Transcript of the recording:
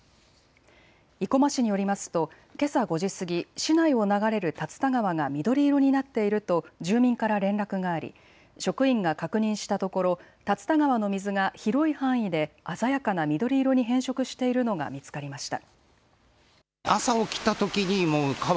生駒市によりますとけさ５時過ぎ市内を流れる竜田川が緑色になっていると住民から連絡があり職員が確認したところ竜田川の水が広い範囲で鮮やかな緑色に変色しているのが見つかりました。